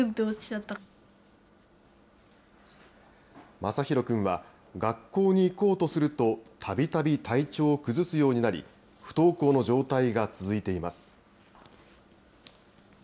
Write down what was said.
まさひろ君は、学校に行こうとすると、たびたび体調を崩すようになり、不登校の状態が続いています。